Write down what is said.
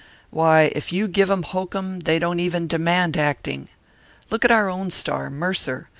"Why, if you give 'em hokum they don't even demand acting. Look at our own star, Mercer.